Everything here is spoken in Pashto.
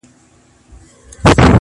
• دا روايت د ټولنې ژور نقد وړلاندي کوي,